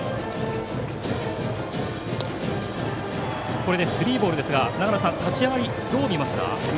これでスリーボールですが長野さん、立ち上がりはどう見ますか？